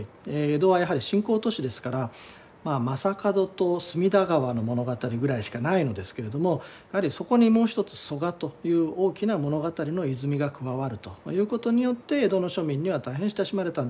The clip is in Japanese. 江戸はやはり新興都市ですから将門と隅田川の物語ぐらいしかないのですけれどもやはりそこにもう一つ曽我という大きな物語の泉が加わるということによって江戸の庶民には大変親しまれたんではないかと思います。